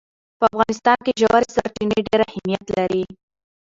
په افغانستان کې ژورې سرچینې ډېر اهمیت لري.